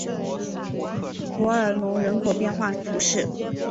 弗尔农人口变化图示